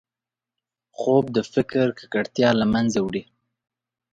خوب د فکر ککړتیا له منځه وړي